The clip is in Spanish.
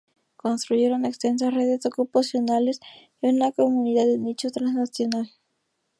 Construyeron extensas redes ocupacionales y una comunidad de nicho transnacional.